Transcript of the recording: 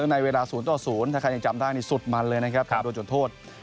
ในเวลา๐ต่อ๐ถ้าใครยังจำได้นี่สุดมันเลยนะครับโดนจุดโทษ